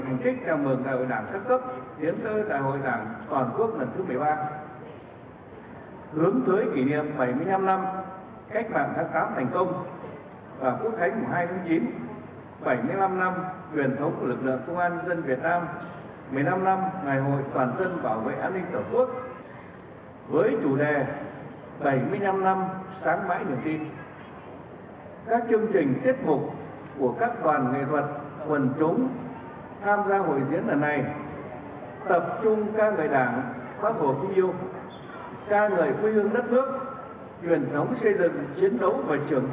bảy năm năm truyền thống của lực lượng công an nhân dân việt nam